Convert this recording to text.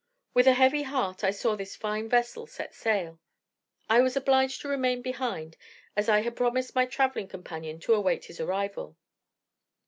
With a heavy heart I saw this fine vessel set sail. I was obliged to remain behind, as I had promised my travelling companion to await his arrival.